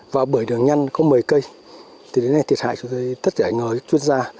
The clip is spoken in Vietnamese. và bưởi đường nhân có một mươi cây thì đến đây thiệt hại cho tất cả những người chuyên gia